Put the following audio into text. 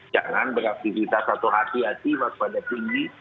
jangan beraktivitas atau hati hati waspada tinggi